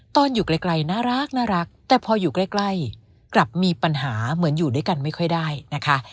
ตอนอยู่ไกลน่ารักแต่พออยู่ใกล้กลับมีปัญหาเหมือนอยู่ด้วยกันไม่ค่อยได้นะคะ